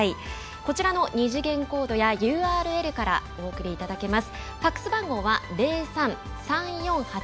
こちらの２次元コードやＵＲＬからお送りいただけます。